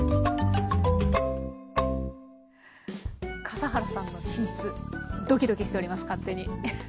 笠原さんの秘密ドキドキしております。